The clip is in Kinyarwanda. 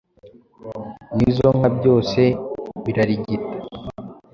nizo nka byose birarigita.